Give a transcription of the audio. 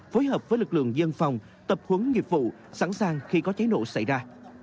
phối hợp với lực lượng dân phòng tập huấn nghiệp vụ sẵn sàng khi có cháy nổ xảy ra